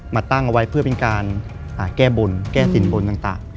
มาตั้งเอาไว้เพื่อเป็นการแก้บนแก้สินบนต่าง